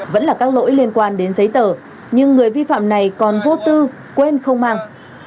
vẫn là các lỗi liên quan đến giấy tờ nhưng người vi phạm này còn vô tư quên không mang